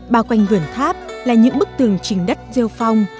bao quanh vườn tháp là những bức tường trình đất rêu phong